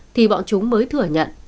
thì bọn chúng mới thử nhận